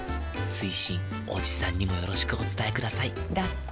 追伸おじさんにもよろしくお伝えくださいだって。